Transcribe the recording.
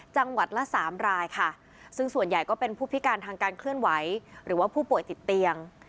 จังหวัดละสามรายค่ะซึ่งส่วนใหญ่ก็เป็นผู้พิการทางการเคลื่อนไหวหรือว่าผู้ป่วยติดเตียง